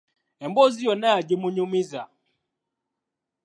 Emboozi yonna yagimunyumiza.